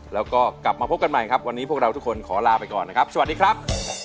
แล้วก็กลับมาพบกันใหม่ครับวันนี้พวกเราทุกคนขอลาไปก่อนนะครับสวัสดีครับ